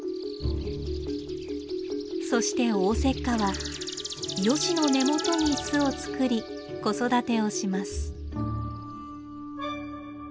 そしてオオセッカはヨシの根元に巣を作り子育てをします。